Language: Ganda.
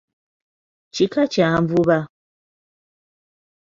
Kika kya Nvuba.